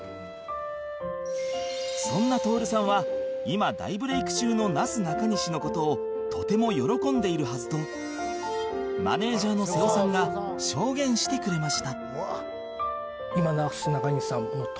そんな徹さんは今大ブレイク中のなすなかにしの事をとても喜んでいるはずとマネジャーの瀬尾さんが証言してくれました